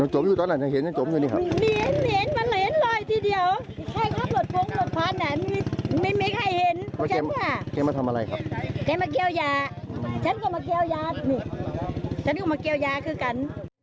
ฉันก็มาเกี่ยวยาฉันก็มาเกี่ยวยานี่ฉันก็มาเกี่ยวยาคือกัน